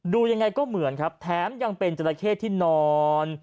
ดูยังไงก็เหมือนครับแถมยังเป็นจราเข้ที่นอน